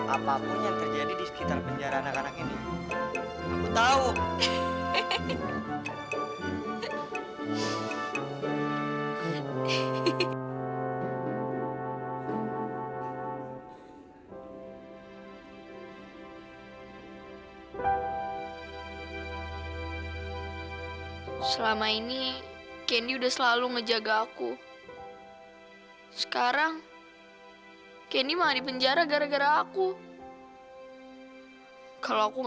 apapun yang terjadi di sekitar penjara anak anak ini aku tahu